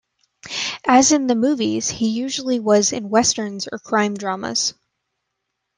As in the movies, he usually was in westerns or crime dramas.